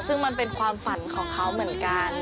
ซึ่งมันเป็นความฝันของเขาเหมือนกัน